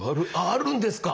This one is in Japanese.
あるんですか！